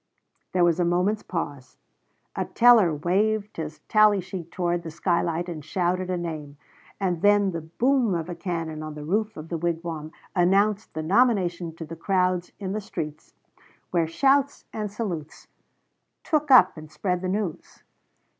There was a moment's pause, a teller waved his tally sheet towards the skylight and shouted a name, and then the boom of a cannon on the roof of the wigwam announced the nomination to the crowds in the streets, where shouts and salutes took up and spread the news.